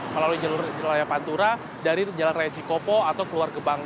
melalui jalur pantura dari jalan recikopo atau keluar gerbang